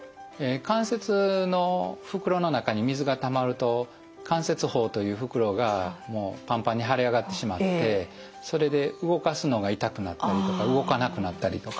関節の袋の中に水がたまると関節包という袋がもうパンパンに腫れ上がってしまってそれで動かすのが痛くなったりとか動かなくなったりとかですね